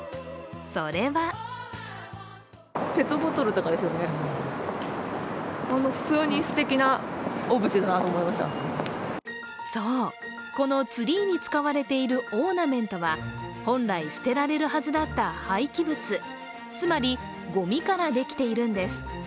それはそう、このツリーに使われているオーナメントは本来捨てられるはずだった廃棄物、つまりごみからできているんです。